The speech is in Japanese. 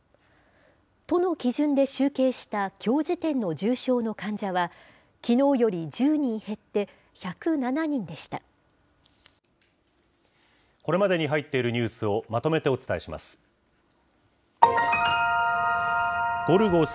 都の基準で集計したきょう時点の重症の患者は、きのうより１０人減って１０７人でした。